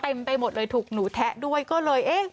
ไปหมดเลยถูกหนูแทะด้วยก็เลยเอ๊ะ